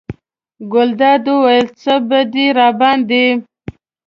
ګلداد وویل: څه به دې راباندې.